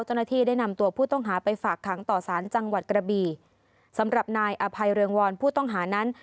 เจ้าหน้าที่ได้นำตัวผู้ต้องหาไปฝากขังต่อสารจังหวัดกระบีสำหรับนายอภัยเรืองวรผู้ต้องหานั้น